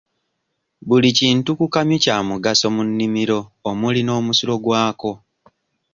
Buli kintu ku kamyu kya mugaso mu nnimiro omuli n'omusulo gwako.